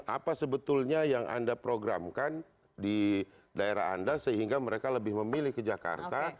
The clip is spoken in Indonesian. apa sebetulnya yang anda programkan di daerah anda sehingga mereka lebih memilih ke jakarta